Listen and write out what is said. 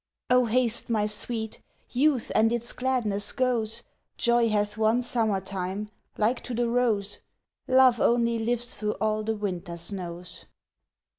Oh haste, my Sweet! Youth and its gladness goes, Joy hath one summer time, like to the rose, Love only lives through all the winter snows.